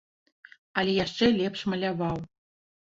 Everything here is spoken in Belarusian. Але яшчэ лепш маляваў.